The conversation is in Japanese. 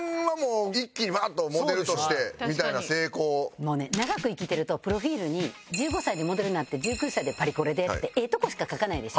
もうね長く生きているとプロフィルに１５歳でモデルになって１９歳でパリコレでってええとこしか書かないでしょ。